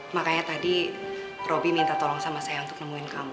makanya tadi roby minta tolong sama saya untuk nemuin kamu